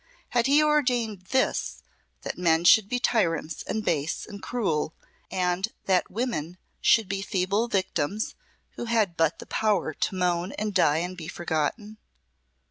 Had he ordained this, that men should be tyrants, and base, and cruel, and that women should be feeble victims who had but the power to moan and die and be forgotten?